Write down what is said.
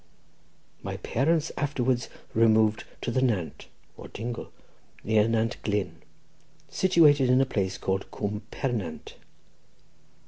My parents afterwards removed to the Nant (or dingle) near Nantglyn, situated in a place called Coom Pernant.